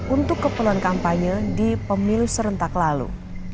untuk keperluan kampanye di pemilu serentak lalu